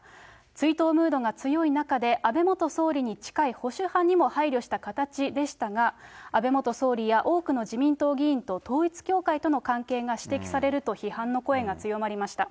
追悼ムードが強い中で、安倍元総理に近い保守派にも配慮した形でしたが、安倍元総理や多くの自民党議員と統一教会との関係が指摘されると、批判の声が強まりました。